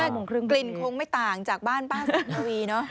กลิ่นคงไม่ต่างจากบ้านป้าศรีทวีเนอะ